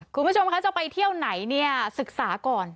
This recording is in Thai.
คุณผู้ชมคะจะไปเที่ยวไหนเนี่ยศึกษาก่อน